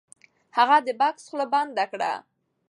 هغه د بکس خوله بنده کړه. .